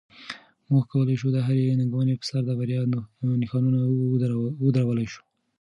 موږ کولی شو د هرې ننګونې په سر د بریا نښانونه ودرولای شو.